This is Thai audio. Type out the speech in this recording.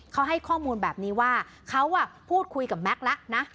เขาให้ข้อมูลแบบนี้ว่าเขาพูดคุยกับแม็กซ์แล้วนะ